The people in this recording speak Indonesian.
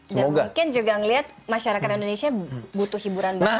dan mungkin juga ngelihat masyarakat indonesia butuh hiburan banget ya